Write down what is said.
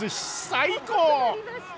最高！